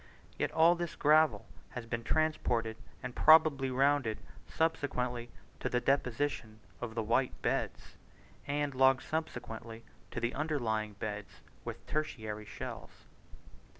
Yet all this gravel has been transported, and probably rounded, subsequently to the deposition of the white beds, and long subsequently to the underlying beds with the tertiary shells.